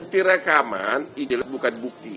bukti rekaman ideologi bukan bukti